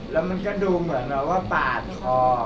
แล้วมันก็ดูเหมือนว่าปาดคอ